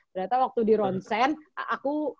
ternyata waktu di ronsen aku